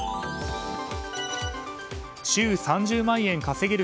週３０万円稼げる